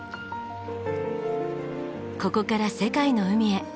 ここから世界の海へ。